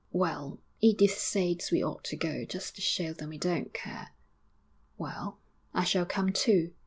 'Well, Edith says we ought to go, just to show them we don't care.' 'Well, I shall come too!'